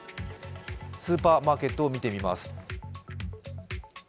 スーパーマーケットを見てみます。